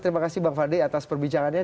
terima kasih bang fadli atas perbincangannya